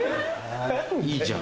いいじゃん。